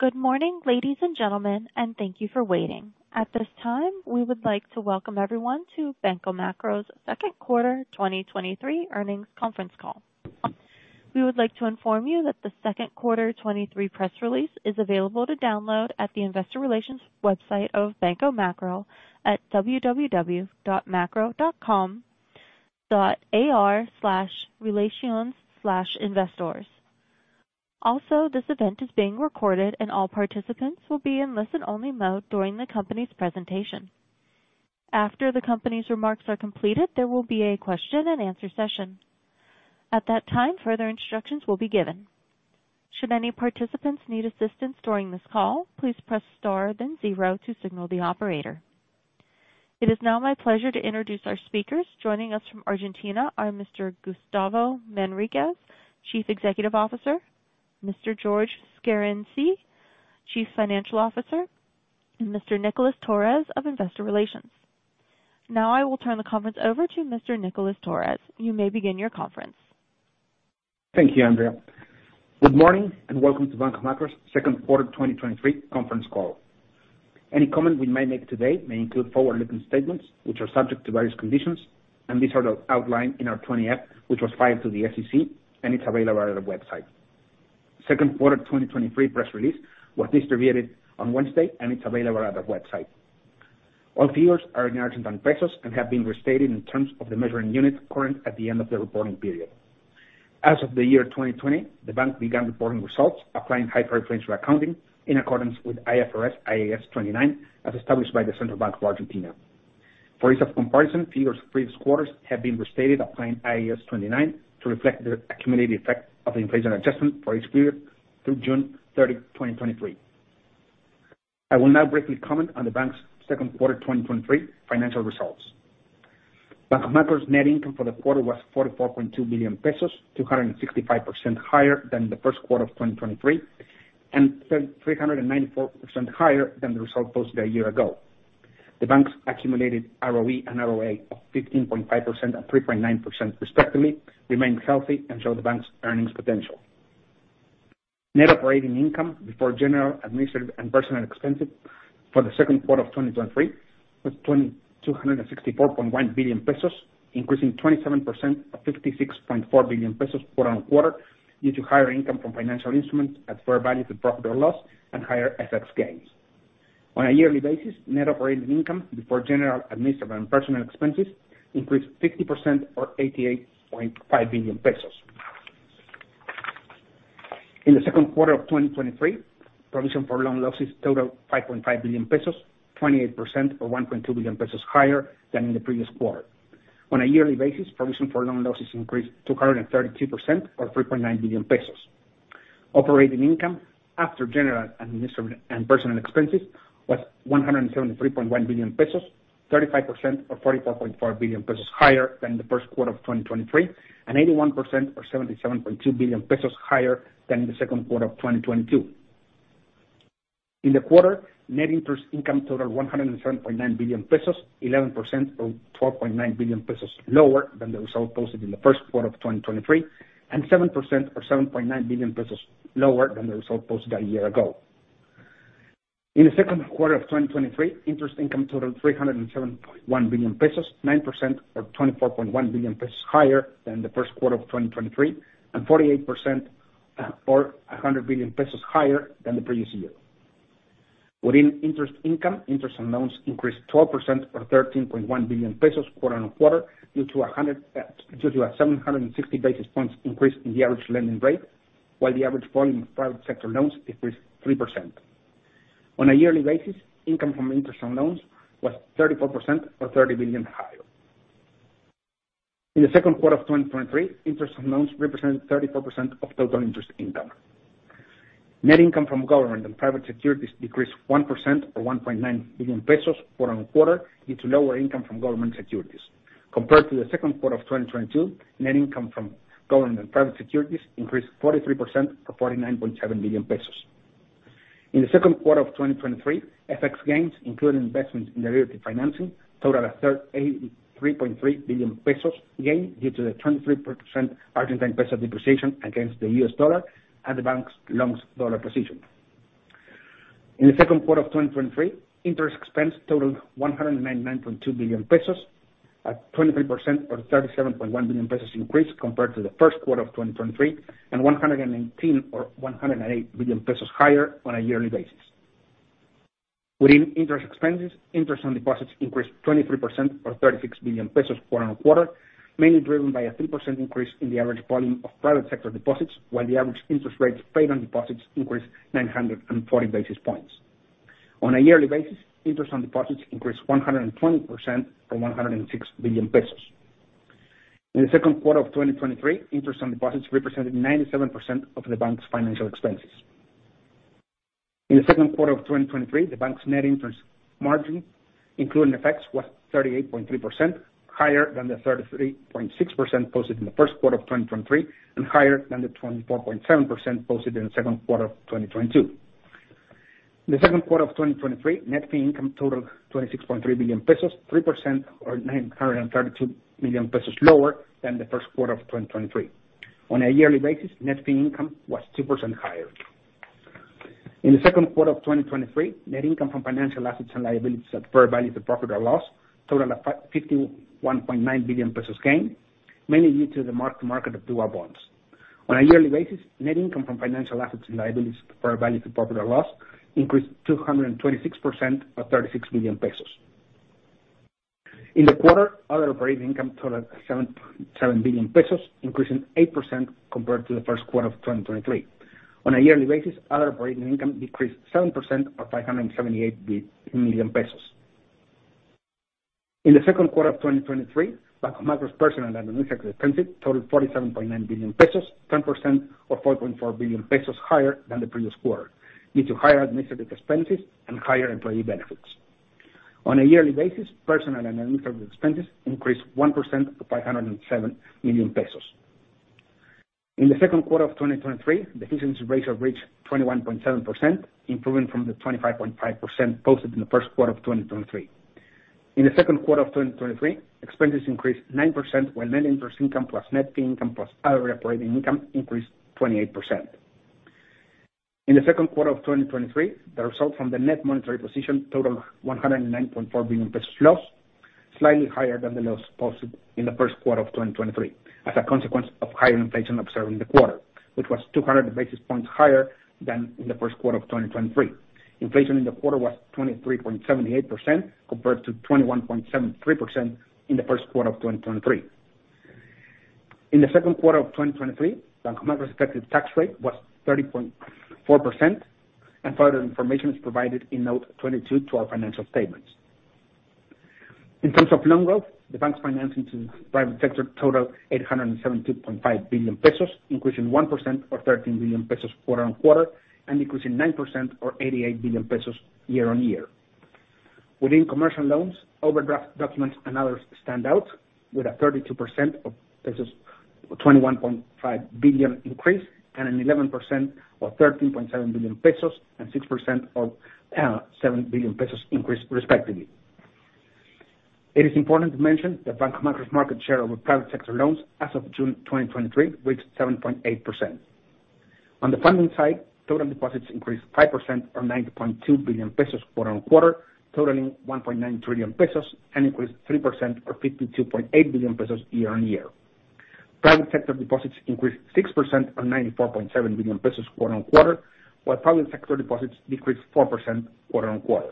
Good morning, ladies and gentlemen, and thank you for waiting. At this time, we would like to welcome everyone to Banco Macro's Second Quarter 2023 Earnings Conference Call. We would like to inform you that the second quarter 2023 press release is available to download at the Investor Relations website of Banco Macro at www.macro.com.ar/relaciones/investors. Also, this event is being recorded, and all participants will be in listen-only mode during the company's presentation. After the company's remarks are completed, there will be a question-and-answer session. At that time, further instructions will be given. Should any participants need assistance during this call, please press star then zero to signal the operator. It is now my pleasure to introduce our speakers. Joining us from Argentina are Mr. Gustavo Manriquez, Chief Executive Officer, Mr. Jorge Scarinci, Chief Financial Officer, and Mr. Nicolás Torres of Investor Relations. Now, I will turn the conference over to Mr. Nicolás Torres. You may begin your conference. Thank you, Andrea. Good morning, and welcome to Banco Macro's second quarter 2023 conference call. Any comment we may make today may include forward-looking statements, which are subject to various conditions, and these are outlined in our 20-F, which was filed to the SEC, and it's available at our website. Second quarter 2023 press release was distributed on Wednesday, and it's available at our website. All figures are in Argentine pesos and have been restated in terms of the measuring unit current at the end of the reporting period. As of the year 2020, the bank began reporting results, applying hyperinflationary accounting in accordance with IFRS, IAS 29, as established by the Central Bank of Argentina. For ease of comparison, figures for previous quarters have been restated applying IAS 29 to reflect the accumulated effect of the inflation adjustment for each period through June 30, 2023. I will now briefly comment on the bank's second quarter 2023 financial results. Banco Macro's net income for the quarter was 44.2 billion pesos, 265% higher than the first quarter of 2023, and 394% higher than the result posted a year ago. The bank's accumulated ROE and ROA of 15.5% and 3.9% respectively, remain healthy and show the bank's earnings potential. Net operating income before general, administrative, and personnel expenses for the second quarter of 2023 was ARS 264.1 billion, increasing 27% or 56.4 billion pesos quarter-on-quarter, due to higher income from financial instruments at fair value to profit or loss and higher FX gains. On a year-over-year basis, net operating income before general, administrative, and personnel expenses increased 50% or 88.5 billion pesos. In the second quarter of 2023, provision for loan losses totaled 5.5 billion pesos, 28% or 1.2 billion pesos higher than in the previous quarter. On a year-over-year basis, provision for loan losses increased 232% or 3.9 billion pesos. Operating income after general, administrative, and personnel expenses was 173.1 billion pesos, 35% or 44.4 billion pesos higher than the first quarter of 2023, and 81% or 77.2 billion pesos higher than the second quarter of 2022. In the quarter, net interest income totaled 107.9 billion pesos, 11% or 12.9 billion pesos lower than the result posted in the first quarter of 2023, and 7% or 7.9 billion pesos lower than the result posted a year ago. In the second quarter of 2023, interest income totaled 307.1 billion pesos, 9% or 24.1 billion pesos higher than the first quarter of 2023, and 48% or 100 billion pesos higher than the previous year. Within interest income, interest on loans increased 12% or 13.1 billion pesos quarter-over-quarter, due to a 760 basis points increase in the average lending rate, while the average volume of private sector loans increased 3%. On a yearly basis, income from interest on loans was 34% or 30 billion higher. In the second quarter of 2023, interest on loans represented 34% of total interest income. Net income from government and private securities decreased 1% or 1.9 billion pesos quarter-on-quarter, due to lower income from government securities. Compared to the second quarter of 2022, net income from government and private securities increased 43% to 49.7 billion pesos. In the second quarter of 2023, FX gains, including investments in derivative financing, totaled 83.3 billion pesos gain due to the 23% Argentine peso depreciation against the U.S. dollar and the bank's long dollar position. In the second quarter of 2023, interest expense totaled 199.2 billion pesos, at 23% or 37.1 billion pesos increase compared to the first quarter of 2023, and 119% or 108 billion pesos higher on a yearly basis. Within interest expenses, interest on deposits increased 23% or 36 billion pesos quarter-on-quarter, mainly driven by a 3% increase in the average volume of private sector deposits, while the average interest rates paid on deposits increased 940 basis points. On a yearly basis, interest on deposits increased 120% from 106 billion pesos. In the second quarter of 2023, interest on deposits represented 97% of the bank's financial expenses. In the second quarter of 2023, the bank's net interest margin, including FX, was 38.3%, higher than the 33.6% posted in the first quarter of 2023, and higher than the 24.7% posted in the second quarter of 2022. The second quarter of 2023, net fee income totaled 26.3 billion pesos, 3% or 932 million pesos lower than the first quarter of 2023. On a yearly basis, net fee income was 2% higher. In the second quarter of 2023, net income from financial assets and liabilities at fair value to profit or loss totaled 51.9 billion pesos gain, mainly due to the mark-to-market of dual bonds. On a yearly basis, net income from financial assets and liabilities for a value to profit or loss increased 226% or 36 million pesos. In the quarter, other operating income totaled 7 billion pesos, increasing 8% compared to the first quarter of 2023. On a yearly basis, other operating income decreased 7% or 578 million pesos. In the second quarter of 2023, Banco Macro's personnel administrative expenses totaled 47.9 billion pesos, 10% or 4.4 billion pesos higher than the previous quarter, due to higher administrative expenses and higher employee benefits. On a yearly basis, personnel and administrative expenses increased 1% to 507 million pesos. In the second quarter of 2023, the efficiency ratio reached 21.7%, improving from the 25.5% posted in the first quarter of 2023. In the second quarter of 2023, expenses increased 9%, while net interest income, plus net fee income, plus other operating income increased 28%. In the second quarter of 2023, the result from the net monetary position totaled 109.4 billion pesos loss, slightly higher than the loss posted in the first quarter of 2023, as a consequence of higher inflation observed in the quarter, which was 200 basis points higher than in the first quarter of 2023. Inflation in the quarter was 23.78% compared to 21.73% in the first quarter of 2023. In the second quarter of 2023, Banco Macro's effective tax rate was 30.4%, and further information is provided in Note 22 to our financial statements. In terms of loan growth, the bank's financing to the private sector totaled 870.5 billion pesos, increasing 1% or 13 billion pesos quarter-on-quarter, and increasing 9% or 88 billion pesos year-on-year. Within commercial loans, overdraft documents and others stand out, with a 32% or 21.5 billion pesos increase, and an 11% or 13.7 billion pesos, and 6% or 7 billion pesos increase respectively. It is important to mention that Banco Macro's market share over private sector loans as of June 2023, reached 7.8%. On the funding side, total deposits increased 5% or 9.2 billion pesos quarter-on-quarter, totaling 1.9 trillion pesos, and increased 3% or 52.8 billion pesos year-on-year. Private sector deposits increased 6% or 94.7 billion pesos quarter-on-quarter, while public sector deposits decreased 4% quarter-on-quarter.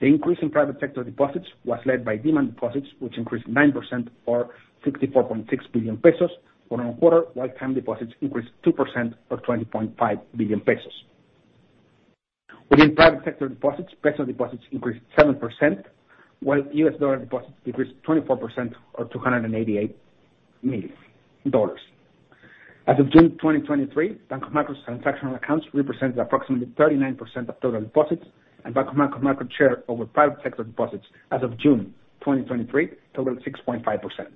The increase in private sector deposits was led by demand deposits, which increased 9% or 64.6 billion pesos quarter-on-quarter, while time deposits increased 2% or 20.5 billion pesos. Within private sector deposits, personnel deposits increased 7%, while U.S. dollar deposits decreased 24% or $288 million. As of June 2023, Banco Macro's transactional accounts represented approximately 39% of total deposits, and Banco Macro market share over private sector deposits as of June 2023 totaled 6.5%.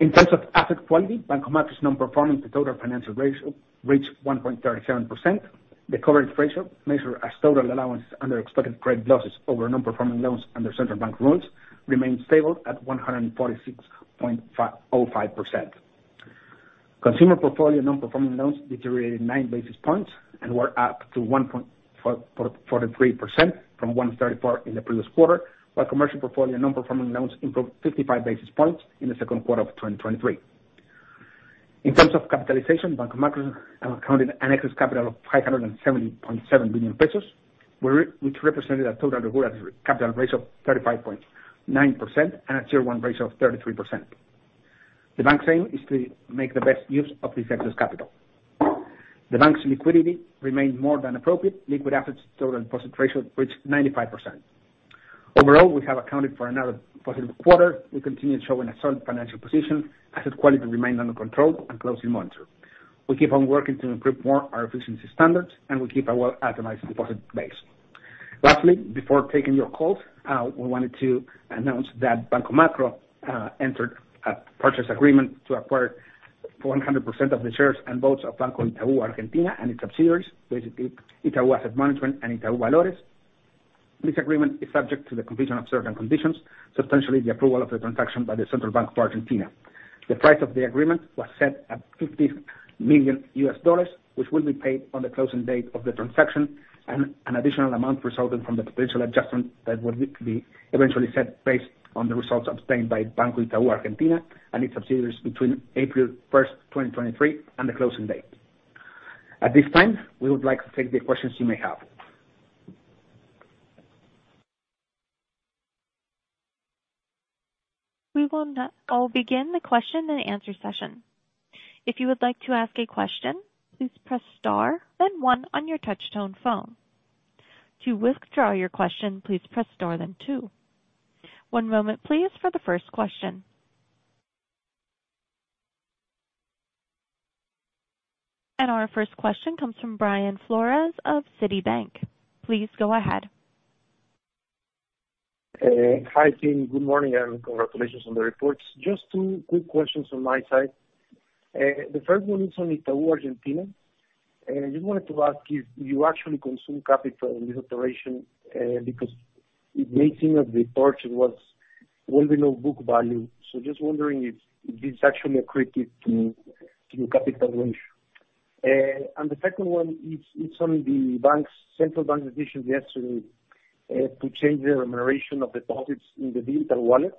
In terms of asset quality, Banco Macro's non-performing to total financial ratio reached 1.37%. The coverage ratio, measured as total allowance under expected credit losses over non-performing loans under Central Bank rules, remained stable at 146.05%. Consumer portfolio non-performing loans deteriorated 9 basis points and were up to 1.43% from 1.34% in the previous quarter, while commercial portfolio non-performing loans improved 55 basis points in the second quarter of 2023. In terms of capitalization, Banco Macro counted an excess capital of 570.7 billion pesos, which represented a total regulatory capital ratio of 35.9% and a Tier 1 ratio of 33%. The bank's aim is to make the best use of this excess capital. The bank's liquidity remained more than appropriate. Liquid assets total deposit ratio reached 95%. Overall, we have accounted for another positive quarter. We continue showing a solid financial position, asset quality remained under control and closely monitored. We keep on working to improve more our efficiency standards, and we keep our well-diversified deposit base. Lastly, before taking your calls, we wanted to announce that Banco Macro entered a purchase agreement to acquire 100% of the shares and votes of Banco Itaú Argentina and its subsidiaries, basically, Itaú Asset Management and Itaú Valores. This agreement is subject to the completion of certain conditions, substantially the approval of the transaction by the Central Bank of Argentina. The price of the agreement was set at $50 million, which will be paid on the closing date of the transaction, and an additional amount resulting from the potential adjustment that will be eventually set based on the results obtained by Banco Itaú Argentina and its subsidiaries between April 1, 2023, and the closing date. At this time, we would like to take the questions you may have. We will now all begin the question-and-answer session. If you would like to ask a question, please press star then one on your touch-tone phone. To withdraw your question, please press star then two. One moment, please, for the first question. Our first question comes from Brian Flores of Citibank. Please go ahead.... Hi team. Good morning, and congratulations on the reports. Just two quick questions on my side. The first one is on Itaú Argentina, and I just wanted to ask you, you actually consume capital in this operation, because it may seem as the purchase was well below book value, so just wondering if this actually accretive to, to capital ratio. And the second one is on the Central Bank's decision yesterday to change the remuneration of the deposits in the digital wallets.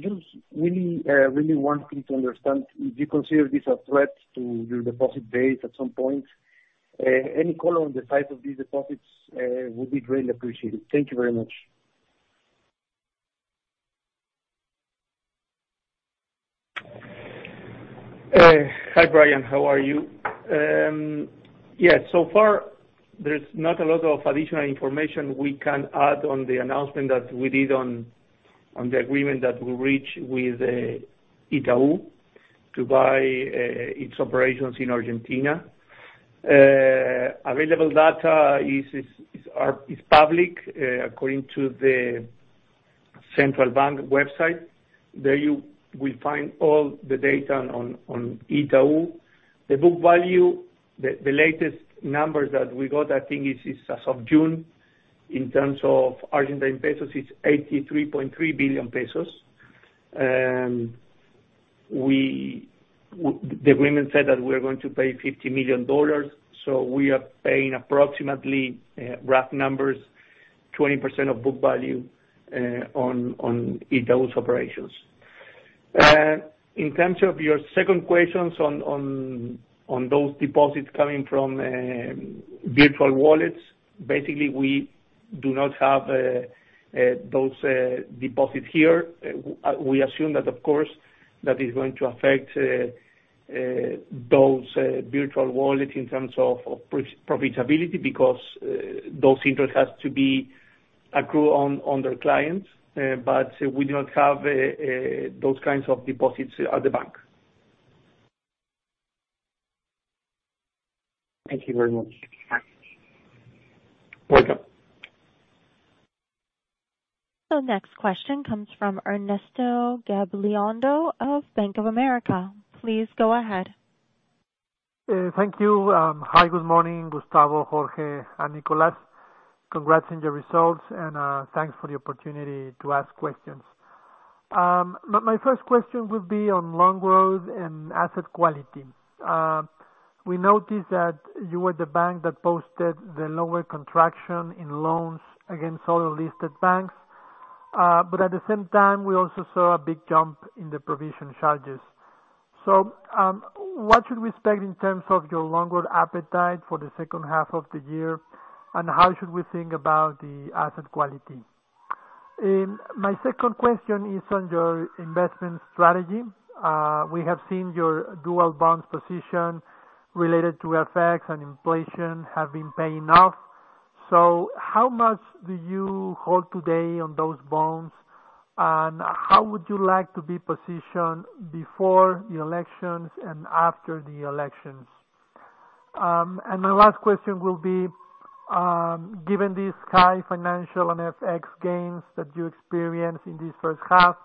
Just really really want to understand, do you consider this a threat to your deposit base at some point? Any color on the size of these deposits would be greatly appreciated. Thank you very much. Hi, Brian, how are you? Yes, so far there's not a lot of additional information we can add on the announcement that we did on the agreement that we reached with Itaú to buy its operations in Argentina. Available data is public, according to the Central Bank of Argentina website. There you will find all the data on Itaú. The book value, the latest numbers that we got, I think, is as of June, in terms of Argentine pesos, it's 83.3 billion pesos. The agreement said that we are going to pay $50 million, so we are paying approximately, rough numbers, 20% of book value, on Itaú's operations. In terms of your second questions on those deposits coming from virtual wallets, basically, we do not have those deposits here. We assume that, of course, that is going to affect those virtual wallets in terms of profitability, because those interest has to be accrued on their clients, but we do not have those kinds of deposits at the bank. Thank you very much. Welcome. The next question comes from Ernesto Gabilondo of Bank of America. Please go ahead. Thank you. Hi, good morning, Gustavo, Jorge, and Nicolás. Congrats on your results, and thanks for the opportunity to ask questions. My first question would be on loan growth and asset quality. We noticed that you were the bank that posted the lower contraction in loans against other listed banks, but at the same time, we also saw a big jump in the provision charges. So, what should we expect in terms of your loan growth appetite for the second half of the year? And how should we think about the asset quality? My second question is on your investment strategy. We have seen your dual bonds position related to FX and inflation have been paying off. So how much do you hold today on those bonds? How would you like to be positioned before the elections and after the elections? My last question will be, given these high financial and FX gains that you experienced in this first half,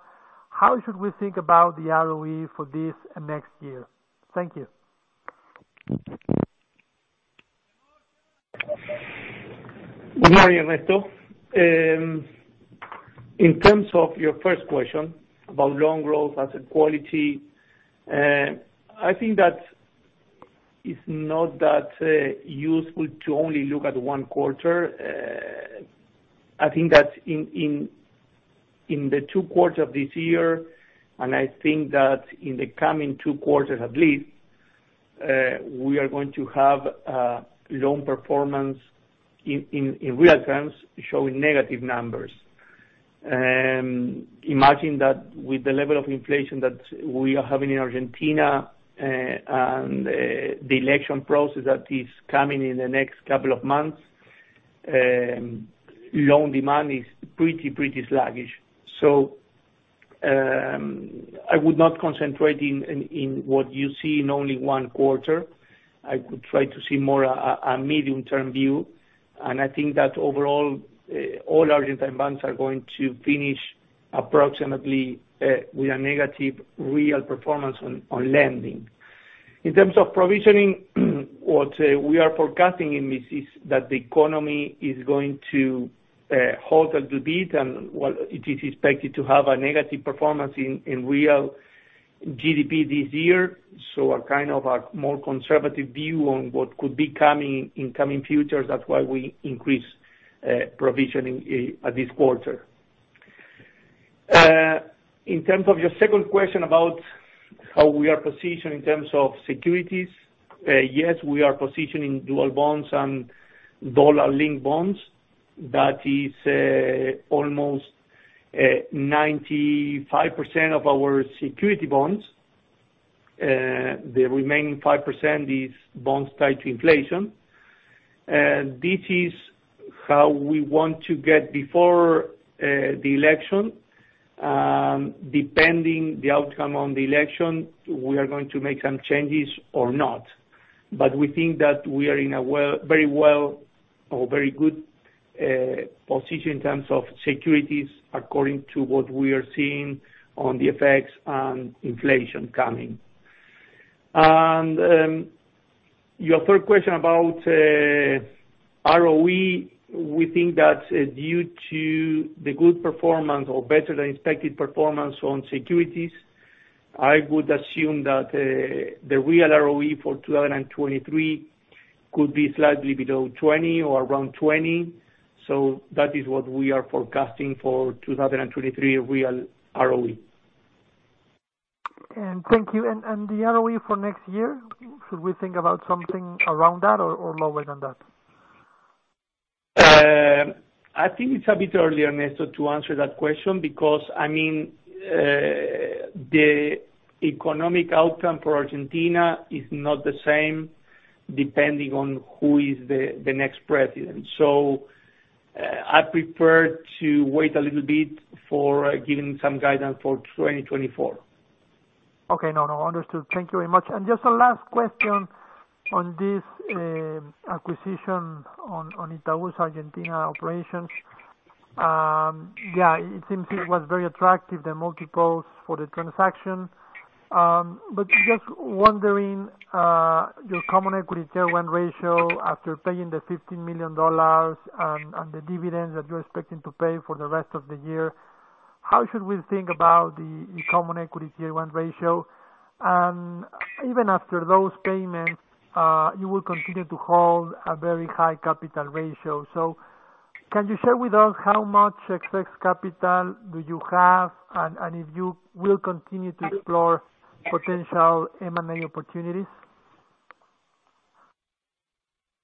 how should we think about the ROE for this and next year? Thank you. Good morning, Ernesto. In terms of your first question about loan growth, asset quality, I think that it's not that useful to only look at one quarter. I think that in the two quarters of this year, and I think that in the coming two quarters at least, we are going to have loan performance in real terms, showing negative numbers. Imagine that with the level of inflation that we are having in Argentina, and the election process that is coming in the next couple of months, loan demand is pretty sluggish. So, I would not concentrate in what you see in only one quarter. I could try to see more a medium-term view, and I think that overall, all Argentine banks are going to finish approximately with a negative real performance on lending. In terms of provisioning, what we are forecasting in this is that the economy is going to halt a little bit and, well, it is expected to have a negative performance in real GDP this year. So a kind of a more conservative view on what could be coming in coming futures, that's why we increase provisioning at this quarter. In terms of your second question about how we are positioned in terms of securities, yes, we are positioning dual bonds and dollar-linked bonds. That is almost 95% of our security bonds. The remaining 5% is bonds tied to inflation. This is how we want to get before the election, depending the outcome on the election, we are going to make some changes or not, but we think that we are in a well, very well or very good position in terms of securities, according to what we are seeing on the FX and inflation coming. Your third question about ROE, we think that due to the good performance or better than expected performance on securities, I would assume that the real ROE for 2023 could be slightly below 20% or around 20%, so that is what we are forecasting for 2023 real ROE. Thank you. The ROE for next year, should we think about something around that or lower than that? I think it's a bit early, Ernesto, to answer that question, because, I mean, the economic outcome for Argentina is not the same, depending on who is the next president. So, I prefer to wait a little bit for giving some guidance for 2024. Okay. No, no, understood. Thank you very much. Just a last question on this acquisition on Itaú's Argentina operations. Yeah, it seems it was very attractive, the multiples for the transaction, but just wondering your Common Equity Tier 1 ratio after paying the $50 million and the dividends that you're expecting to pay for the rest of the year, how should we think about the common equity Tier 1 ratio? Even after those payments, you will continue to hold a very high capital ratio. Can you share with us how much excess capital do you have, and if you will continue to explore potential M&A opportunities?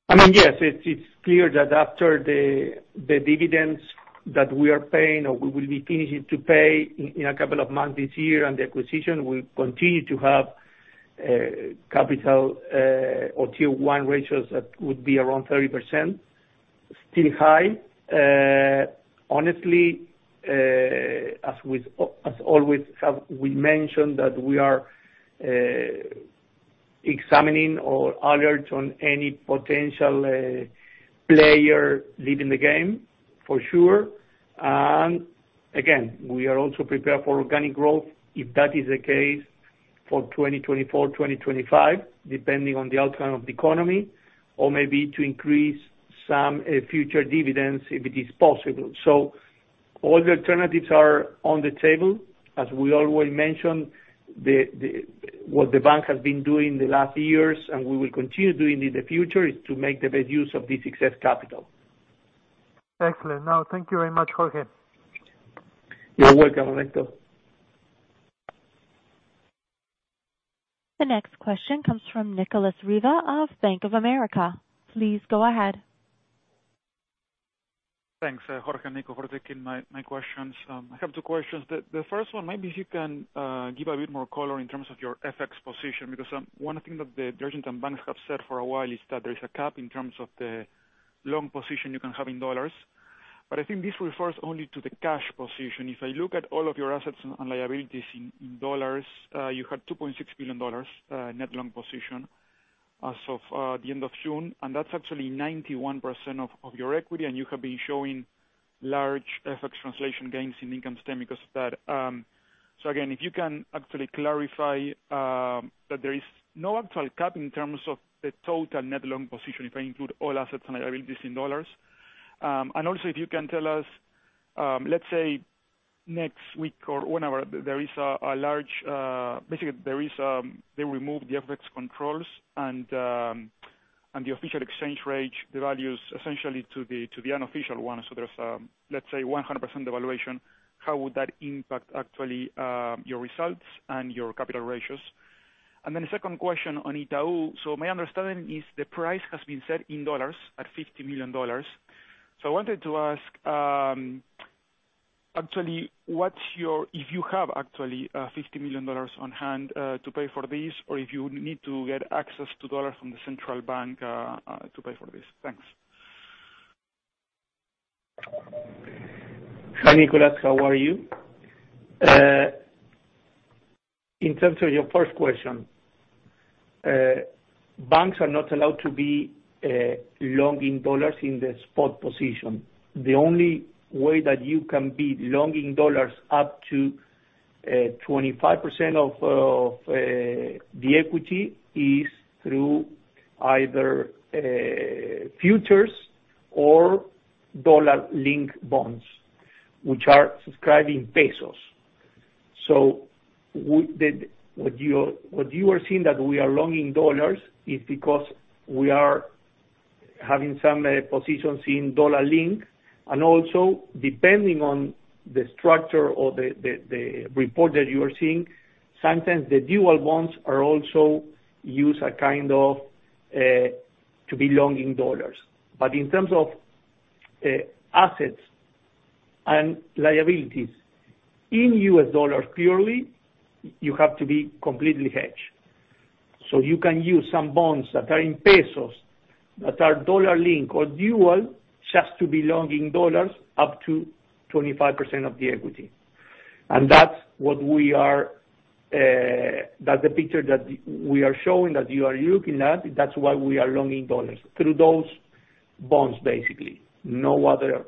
I mean, yes, it's clear that after the dividends that we are paying or we will be finishing to pay in a couple of months this year, and the acquisition will continue to have capital or Tier 1 ratios that would be around 30%, still high. Honestly, as we always have mentioned, that we are examining or alert on any potential player leaving the game, for sure. And again, we are also prepared for organic growth, if that is the case for 2024, 2025, depending on the outcome of the economy, or maybe to increase some future dividends, if it is possible. So all the alternatives are on the table. As we always mention, what the bank has been doing the last years and we will continue doing in the future, is to make the best use of this excess capital. Excellent. No, thank you very much, Jorge. You're welcome, Ernesto. The next question comes from Nicolas Riva of Bank of America. Please go ahead. Thanks, Jorge and Nico, for taking my questions. I have two questions. The first one, maybe if you can give a bit more color in terms of your FX position, because one thing that the Argentine banks have said for a while is that there is a cap in terms of the long position you can have in dollars. But I think this refers only to the cash position. If I look at all of your assets and liabilities in dollars, you had $2.6 billion net long position as of the end of June, and that's actually 91% of your equity, and you have been showing large FX translation gains in income statement because of that. So again, if you can actually clarify that there is no actual cap in terms of the total net long position, if I include all assets and liabilities in dollars. And also, if you can tell us, let's say next week or whenever there is a large basically, there is, they remove the FX controls and the official exchange rate, the value is essentially to the, to the unofficial one, so there's let's say 100% devaluation. How would that impact actually your results and your capital ratios? And then the second question on Itaú. So my understanding is the price has been set in dollars at $50 million. So I wanted to ask actually, what's your, if you have actually $50 million on hand to pay for this, or if you need to get access to dollars from the Central Bank to pay for this? Thanks. Hi, Nicolas. How are you? In terms of your first question, banks are not allowed to be long in dollars in the spot position. The only way that you can be long in dollars, up to 25% of the equity, is through either futures or dollar-linked bonds, which are subscribed in pesos. So, what you are seeing that we are long in dollars is because we are having some positions in dollar-linked, and also, depending on the structure or the report that you are seeing, sometimes the dual bonds are also used a kind of to be long in dollars. But in terms of assets and liabilities, in U.S. dollars purely, you have to be completely hedged. So you can use some bonds that are in pesos, that are dollar-linked or dual, just to be long in dollars up to 25% of the equity. And that's what we are, that's the picture that we are showing, that you are looking at. That's why we are long in dollars, through those bonds, basically. No other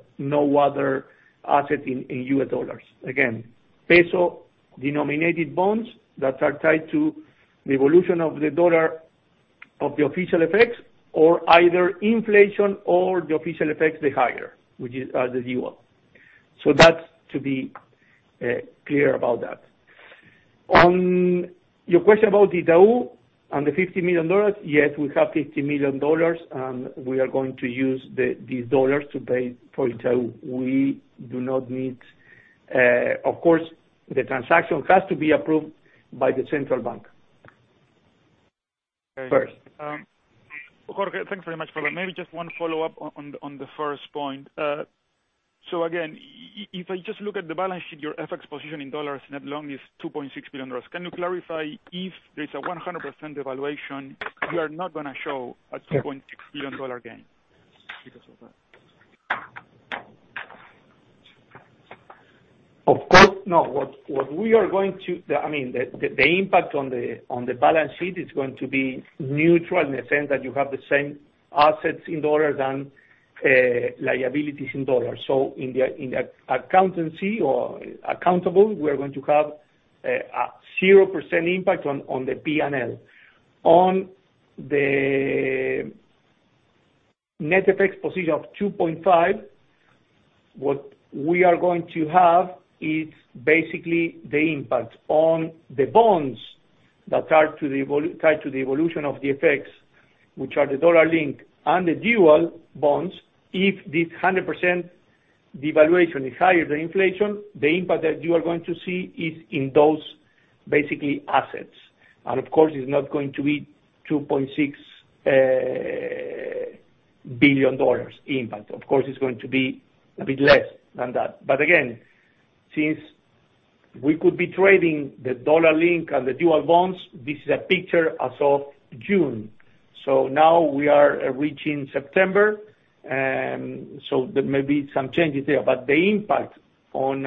asset in U.S. dollars. Again, peso-denominated bonds that are tied to the evolution of the dollar of the official FX, or either inflation or the official FX, the higher, which is the dual. So that's to be clear about that. On your question about Itaú and the $50 million, yes, we have $50 million, and we are going to use these dollars to pay for Itaú. We do not need. Of course, the transaction has to be approved by the Central Bank first. Jorge, thanks very much for that. Maybe just one follow-up on the first point. So again, if I just look at the balance sheet, your FX position in dollars net long is $2.6 billion. Can you clarify if there's a 100% devaluation, you are not going to show a $2.6 billion gain because of that? Of course, no. What we are going to—The, I mean, the impact on the balance sheet is going to be neutral in the sense that you have the same assets in dollars and liabilities in dollars. So in the accountancy or accounting, we are going to have a 0% impact on the P&L. On the net FX position of [$2.5 billion] what we are going to have is basically the impact on the bonds that are tied to the evolution of the FX, which are the dollar-linked and the dual bonds, if this 100% devaluation is higher than inflation, the impact that you are going to see is in those basically assets. And of course, it's not going to be $2.6 billion impact. Of course, it's going to be a bit less than that. But again, since we could be trading the dollar-linked and the dual bonds, this is a picture as of June. So now we are reaching September, and so there may be some changes there. But the impact on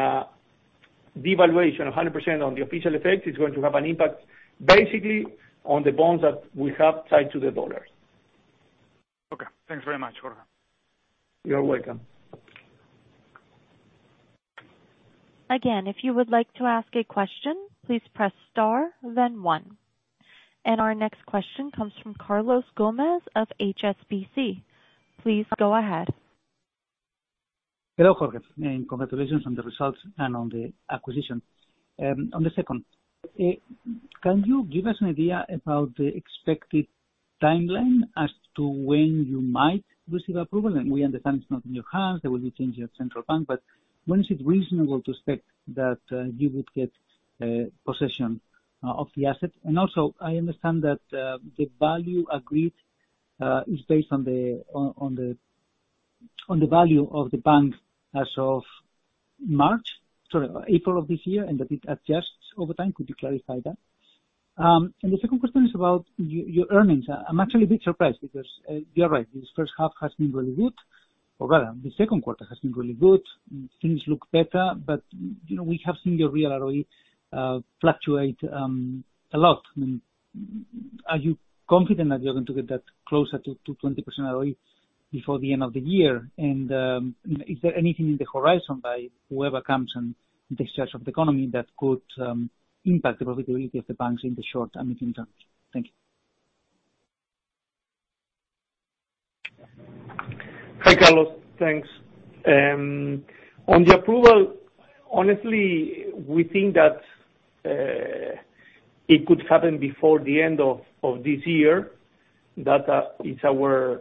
devaluation, 100% on the official FX, is going to have an impact, basically on the bonds that we have tied to the U.S. dollar. Okay, thanks very much, Jorge. You're welcome. Again, if you would like to ask a question, please press star then one. Our next question comes from Carlos Gomez of HSBC. Please go ahead. Hello, Jorge, and congratulations on the results and on the acquisition. On the second, can you give us an idea about the expected timeline as to when you might receive approval? And we understand it's not in your hands, there will be change at Central Bank, but when is it reasonable to expect that you would get possession of the assets? And also, I understand that the value agreed is based on the value of the bank as of March, sorry, April of this year, and that it adjusts over time. Could you clarify that? And the second question is about your earnings. I'm actually a bit surprised because you are right, this first half has been really good, or rather, the second quarter has been really good. Things look better, but, you know, we have seen your real ROE fluctuate a lot. I mean, are you confident that you're going to get that closer to 20% ROE before the end of the year? And, is there anything in the horizon by whoever comes and takes charge of the economy that could impact the profitability of the banks in the short and medium term? Thank you. Hi, Carlos. Thanks. On the approval, honestly, we think that it could happen before the end of this year. That is our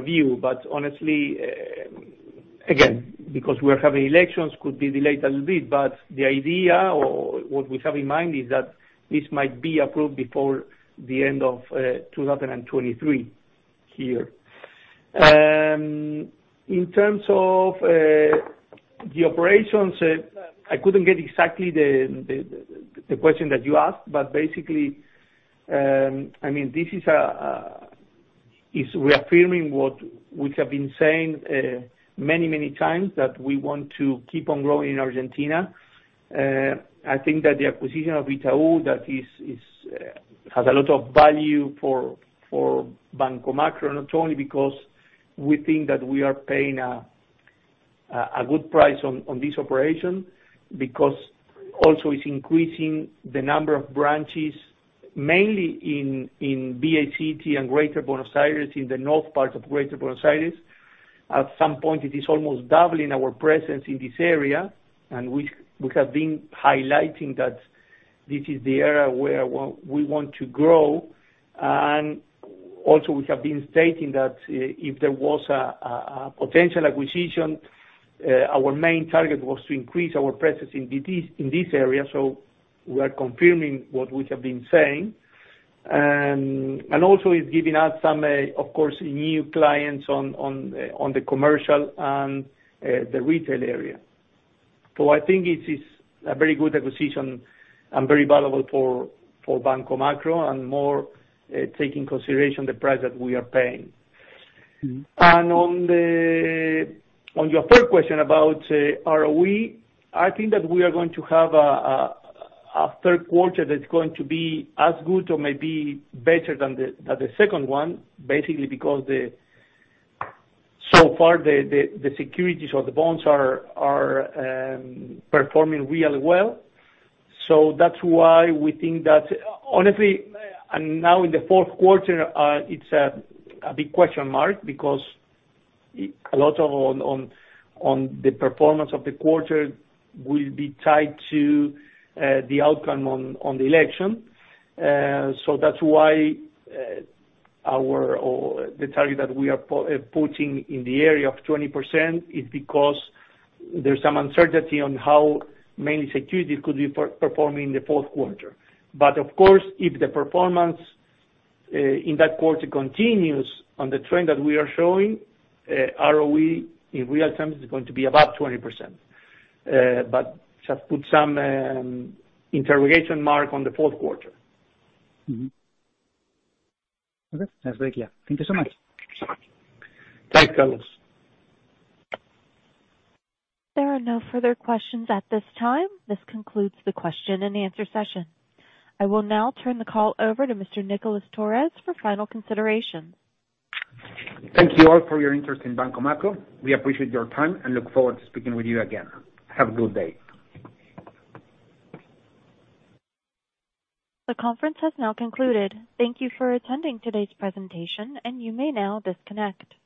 view, but honestly, again, because we are having elections, could be delayed a little bit. But the idea or what we have in mind is that this might be approved before the end of 2023 year. In terms of the operations, I couldn't get exactly the question that you asked, but basically, I mean, this is reaffirming what we have been saying many times, that we want to keep on growing in Argentina. I think that the acquisition of Itaú, that is, has a lot of value for Banco Macro, not only because we think that we are paying a good price on this operation, because also it's increasing the number of branches, mainly in [BA City] and Greater Buenos Aires, in the north part of Greater Buenos Aires. At some point, it is almost doubling our presence in this area, and we have been highlighting that this is the area where we want to grow. Also, we have been stating that if there was a potential acquisition, our main target was to increase our presence in this area. We are confirming what we have been saying. And also it's giving us some, of course, new clients on the commercial and the retail area. So I think it is a very good acquisition and very valuable for Banco Macro, and more, take in consideration the price that we are paying. And on your third question about ROE, I think that we are going to have a third quarter that's going to be as good or maybe better than the second one, basically because so far, the securities or the bonds are performing really well. So that's why we think that honestly, and now in the fourth quarter, it's a big question mark, because a lot of the performance of the quarter will be tied to the outcome of the election. So that's why our or the target that we are putting in the area of 20% is because there's some uncertainty on how many securities could be performing in the fourth quarter. But of course, if the performance in that quarter continues on the trend that we are showing, ROE in real terms is going to be about 20%. But just put some interrogation mark on the fourth quarter. Mm-hmm. Okay, that's very clear. Thank you so much. Thank you, Carlos. There are no further questions at this time. This concludes the question-and-answer session. I will now turn the call over to Mr. Nicolás Torres for final considerations. Thank you all for your interest in Banco Macro. We appreciate your time and look forward to speaking with you again. Have a good day. The conference has now concluded. Thank you for attending today's presentation, and you may now disconnect.